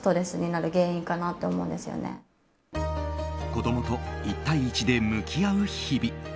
子供と１対１で向き合う日々。